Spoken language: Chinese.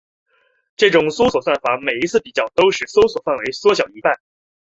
这种搜索算法每一次比较都使搜索范围缩小一半。